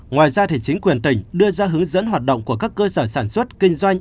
ngoài ra chính quyền tỉnh đưa ra hướng dẫn hoạt động của các cơ sở sản xuất kinh doanh